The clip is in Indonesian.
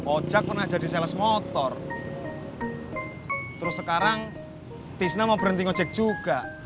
ojek pernah jadi sales motor terus sekarang tisna mau berhenti ngejek juga